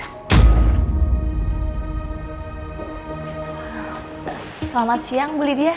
selamat siang bu lydia